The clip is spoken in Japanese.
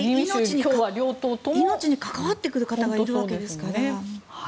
命に関わってくる方がいるわけですから。